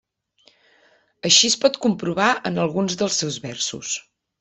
Així es pot comprovar en alguns dels seus versos.